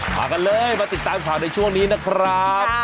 มากันเลยมาติดตามข่าวในช่วงนี้นะครับ